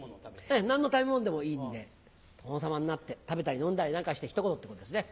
ええ何の食べ物でもいいんで殿様になって食べたり飲んだりなんかして一言ってことですね。